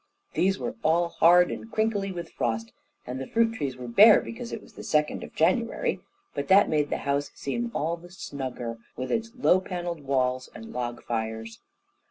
These were all hard and crinkly with frost, and the fruit trees were bare, because it was the second of January, but that made the house seem all the snugger, with its low panelled walls and log fires.